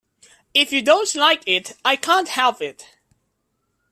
If you don't like it, I can't help it.